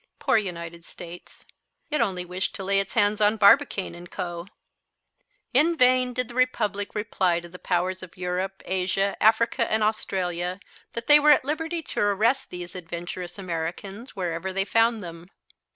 Poor United States! It only wished to lay its hands on Barbicane & Co. In vain did the Republic reply to the Powers of Europe, Asia, Africa and Australia that they were at liberty to arrest these adventurous Americans wherever they found them.